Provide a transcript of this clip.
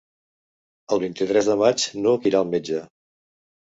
El vint-i-tres de maig n'Hug irà al metge.